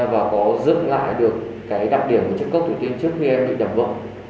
và có giữ lại được đặc điểm của chất cốc thủy tinh trước khi em bị đập vỡ